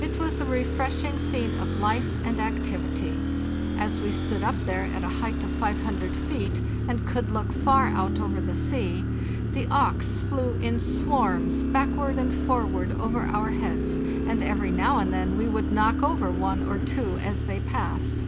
It was a refreshing scene of life and activity. As we stood up there at a height of 500 feet, and could look far out over the sea, the auks flew in swarms backward and forward over our heads, and every now and then we would knock over one or two as they passed.